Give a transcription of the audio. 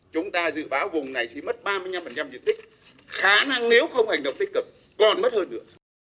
chúng ta dự báo vùng này sẽ mất ba mươi năm diện tích khả năng nếu không hành động tích cực còn mất hơn nữa